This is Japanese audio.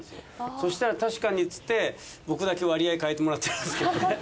そしたら確かにっつって僕だけ割合変えてもらってるんですけどね。